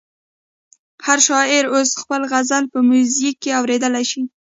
هر شاعر اوس خپل غزل په میوزیک کې اورېدلی شي.